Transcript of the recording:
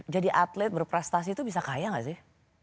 jadi atlet berprestasi itu bisa kaya gak sih